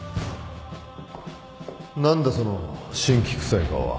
何だその辛気くさい顔は。